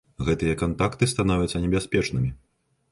Гэтыя кантакты становяцца небяспечнымі.